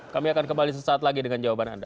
kami akan kembali sesaat lagi dengan jawaban anda